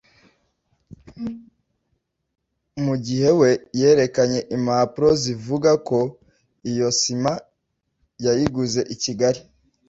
Mu gihe we yerekana impapuro zivuga ko iyo sima yayiguze i Kigali